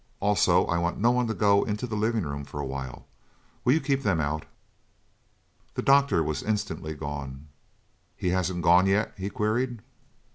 Also, I want no one to go into the living room for a while. Will you keep them out?" The doctor was instantly gone. "He hasn't gone, yet?" he queried.